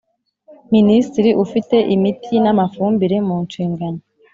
Minisitiri ufite imiti n amafumbire mu nshingano